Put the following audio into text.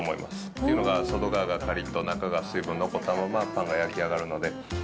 というのは、外側がかりっと、中が水分残ったままパンが焼き上がるので。